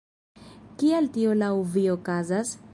Kial tio laŭ vi okazas?